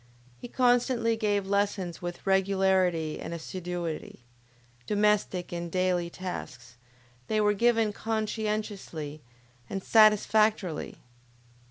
He constantly gave lessons with regularity and assiduity; domestic and daily tasks, they were given conscientiously and satisfactorily.